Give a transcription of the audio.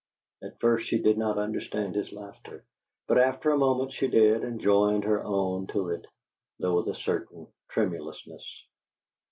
At first she did not understand his laughter, but, after a moment, she did, and joined her own to it, though with a certain tremulousness.